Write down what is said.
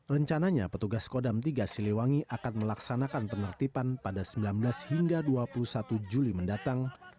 rencananya petugas kodam tiga siliwangi akan melaksanakan penertiban pada sembilan belas hingga dua puluh satu juli mendatang